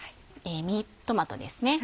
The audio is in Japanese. ミニトマトですね